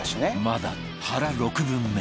まだ腹６分目